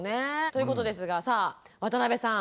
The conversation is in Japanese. ということですがさあ渡邊さん